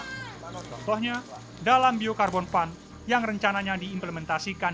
contohnya dalam biokarbon fund yang rencananya diimplementasikan